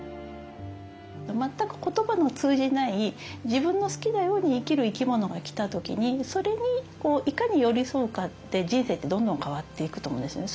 全く言葉の通じない自分の好きなように生きる生き物が来た時にそれにいかに寄り添うかで人生ってどんどん変わっていくと思うんですね。